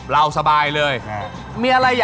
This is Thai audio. เราสบายเลย